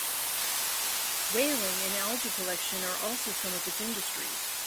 Whaling and algae collection are also some of its industries.